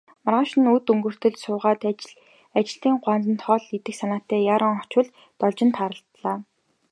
Маргааш нь үд өнгөртөл суугаад, ажилчны гуанзанд хоол идэх санаатай яаран очвол Должинтой тааралдлаа.